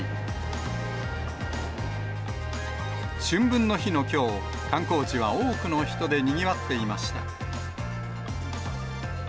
春分の日のきょう、観光地は多くの人でにぎわっていました。